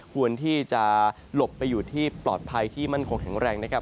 ควรที่จะหลบไปอยู่ที่ปลอดภัยที่มั่นคงแข็งแรงนะครับ